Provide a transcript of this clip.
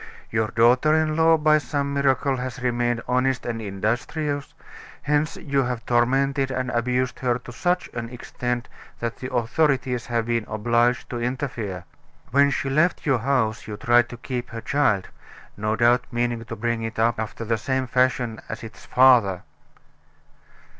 Your daughter in law, by some miracle, has remained honest and industrious, hence you have tormented and abused her to such an extent that the authorities have been obliged to interfere. When she left your house you tried to keep her child no doubt meaning to bring it up after the same fashion as its father."